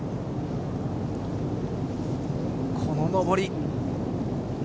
この上り。